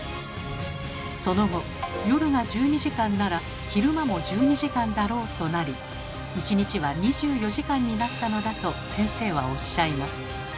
その後「夜が１２時間なら昼間も１２時間だろう」となり１日は２４時間になったのだと先生はおっしゃいます。